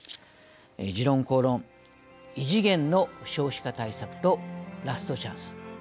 「時論公論」異次元の少子化対策とラストチャンス。